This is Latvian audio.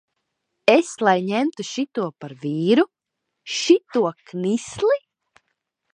Es lai ņemu šito par vīru, šito knisli!